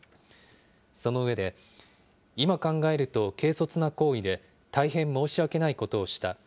その上で、今考えると軽率な行為で、大変申し訳ないことをした。